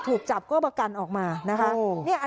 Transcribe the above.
ถูกจับก็ประกันออกมานะคะ